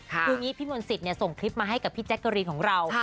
คืออย่างนี้พี่มนต์สิทธิ์ส่งคลิปมาให้กับพี่แจ๊กเกอรีนของเรา